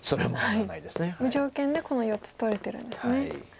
無条件でこの４つ取れてるんですね。